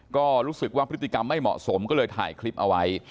ก็รู้สึกว่าพฤติกรรมไม่เหมาะสมก็เลยถ่ายคลิปเอาไว้